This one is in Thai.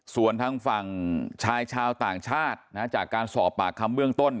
ส่วนทางฝั่งชายชาวต่างชาติจากการสอบปากคำเบื้องต้น